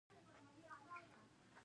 د تاریخ زړه ډېر لوی دی.